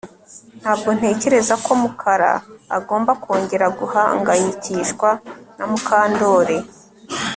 Ntabwo ntekereza ko Mukara agomba kongera guhangayikishwa na Mukandoli